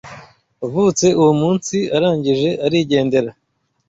wavutse uwo munsi arangije arigendera